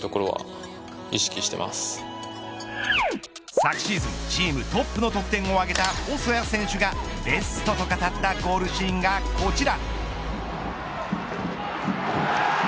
昨シーズンチームトップの得点を挙げた細谷選手がベストと語ったゴールシーンがこちら。